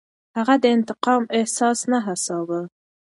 هغه د انتقام احساس نه هڅاوه.